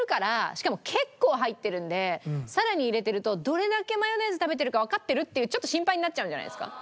しかも結構入ってるんで更に入れてるとどれだけマヨネーズ食べてるかわかってる？っていうちょっと心配になっちゃうんじゃないですか？